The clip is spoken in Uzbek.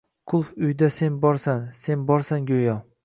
Qulf uyda sen borsan, sen borsan, go‘yo